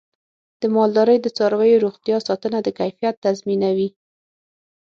د مالدارۍ د څارویو روغتیا ساتنه د کیفیت تضمینوي.